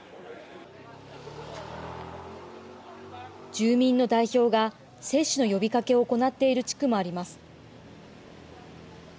住民の代表が接種の呼びかけを行っている地区もあります。